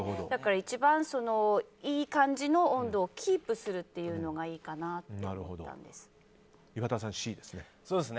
一番いい感じの温度をキープするというのがいいかなって思ったんです。